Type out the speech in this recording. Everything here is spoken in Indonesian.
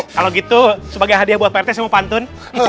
kalau gitu sebagai hadiah buat partai saya mau pantun